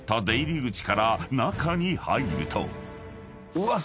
うわっ。